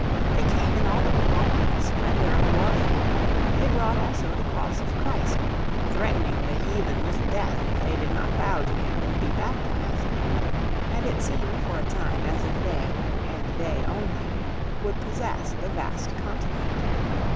They came in all the pomp and splendour of warfare; they brought also the Cross of Christ, threatening the heathen with death if they did not bow to Him and be baptised. And it seemed for a time as if they, and they only, would possess the vast continent.